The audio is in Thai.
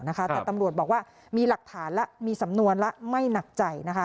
แต่ตำรวจบอกว่ามีหลักฐานและมีสำนวนและไม่หนักใจนะคะ